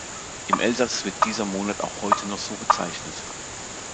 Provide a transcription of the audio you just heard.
Im Elsass wird dieser Monat auch heute noch so bezeichnet.